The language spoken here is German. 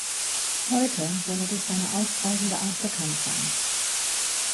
Heute soll er durch seine aufbrausende Art bekannt sein.